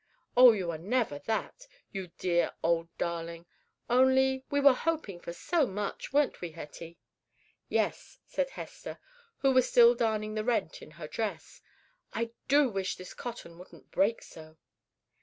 "Oh, you are never that, you dear old darling; only, we were hoping for so much—weren't we, Hetty?" "Yes," said Hester, who was still darning the rent in her dress. "I do wish this cotton wouldn't break so."